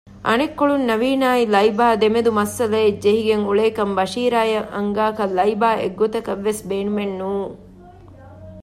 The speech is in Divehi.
އަނެއްކޮޅުން ނަވީނާއި ލައިބާ ދެމެދު މައްސަލައެއް ޖެހިގެން އުޅޭކަން ބަޝީރާއަށް އަންގާކަށް ލައިބާއެއް ގޮތަކަށްވެސް ބޭނުމެއް ނޫން